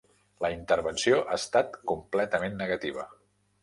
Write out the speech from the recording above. La intervenció ha estat completament negativa.